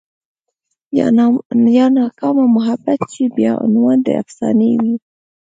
يا ناکامه محبت شي بيا عنوان د افسانې وي